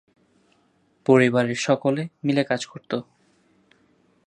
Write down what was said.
পরিবারের সকলে মিলে কাজ করত।